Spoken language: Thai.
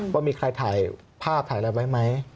ว่ามีใครถ่ายภาพถ่ายอะไรไว้ไหม